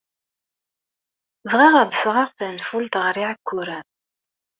Bɣiɣ ad d-sɣeɣ tanfult ɣer Iɛekkuren.